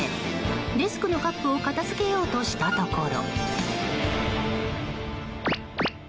デスクのカップを片付けようとしたところ。